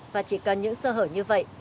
và chỉ cần những sơ hở như vậy